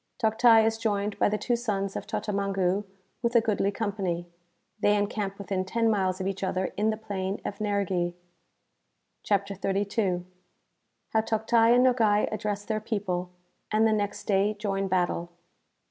Toctai is joined by the two sons of Totamangu with a goodly company. They encamp within ten miles of each other in the Plain of Nerghi.) CHAPTER XXXII. How Toctai and Nogai address their People, and the next Day join Battle.